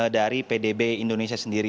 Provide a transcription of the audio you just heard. dari pdb indonesia sendiri